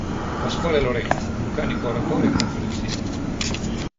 Pasquale Lo Re, vulcanico oratore e conferenziere.